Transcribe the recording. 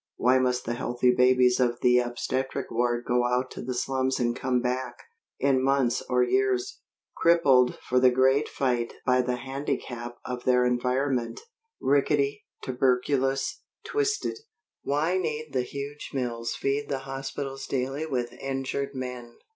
Why must the healthy babies of the obstetric ward go out to the slums and come back, in months or years, crippled for the great fight by the handicap of their environment, rickety, tuberculous, twisted? Why need the huge mills feed the hospitals daily with injured men?